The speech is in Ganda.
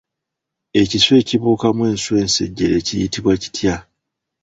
Ekiswa ekibuukamu enswa ensejjere kiyitibwa kitya?